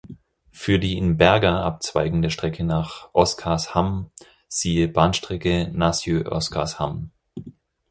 Für die in Berga abzweigende Strecke nach Oskarshamn siehe: Bahnstrecke Nässjö–Oskarshamn.